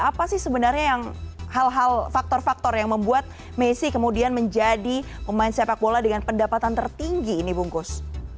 apa sih sebenarnya yang hal hal faktor faktor yang membuat messi kemudian menjadi pemain sepak bola dengan pendapatan tertinggi ini bungkus